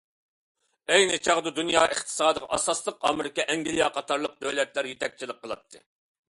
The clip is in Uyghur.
ئەينى چاغدا، دۇنيا ئىقتىسادىغا، ئاساسلىقى، ئامېرىكا، ئەنگلىيە قاتارلىق دۆلەتلەر يېتەكچىلىك قىلاتتى.